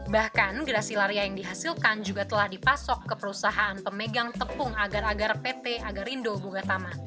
bahkan gracilaria yang dihasilkan juga telah dipasok ke perusahaan pemegang tepung agar agar pt agarindo buka tama